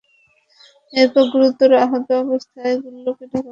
এরপর গুরুতর আহত অবস্থায় পান্নুকে ঢাকা মেডিকেল কলেজ হাসপাতালে নেওয়া হয়।